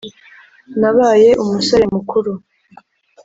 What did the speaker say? Nabaye umusore mukuru